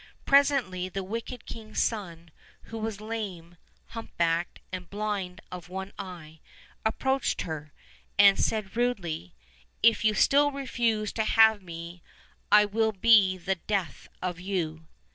Presently the wicked king's son, who was lame, humpbacked, and blind of one eye, approached her, and said rudely: "If you still refuse to have me, I will be the death of you."